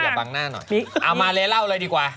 เอามาเล่าเลยดีกว่า